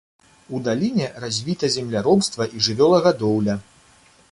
У даліне развіта земляробства і жывёлагадоўля.